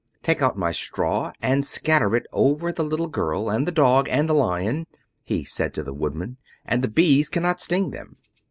"Take out my straw and scatter it over the little girl and the dog and the Lion," he said to the Woodman, "and the bees cannot sting them."